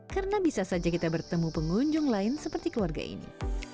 karena bisa saja kita bertemu pengunjung lain seperti keluarga ini